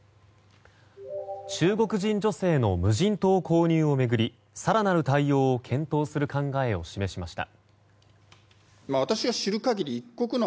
中国人女性の無人島購入を巡り更なる対応を検討する考えを示しました。